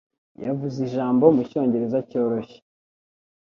Yavuze ijambo mu Cyongereza cyoroshye